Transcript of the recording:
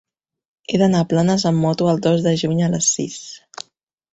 He d'anar a Planes amb moto el dos de juny a les sis.